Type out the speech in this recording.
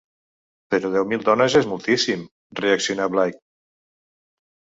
Però deu mil dones és moltíssim! —reacciona Bligh—.